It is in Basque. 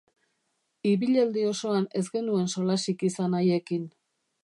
Ibilaldi osoan ez genuen solasik izan haiekin.